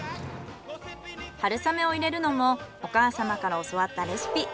春雨を入れるのもお母様から教わったレシピ。